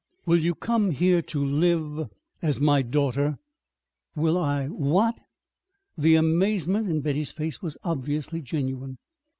"Will you come here to live as my daughter?" "Will I what?" The amazement in Betty's face was obviously genuine.